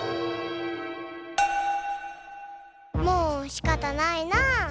もうしかたないなあ。